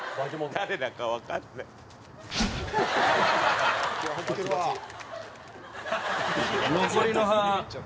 「誰だかわかんない」「」